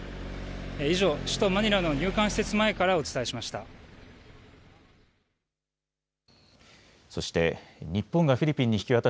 以上、首都マニラの入管施設前からお伝えしました。